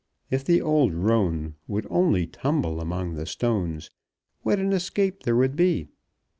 If the old roan would only tumble among the stones what an escape there would be!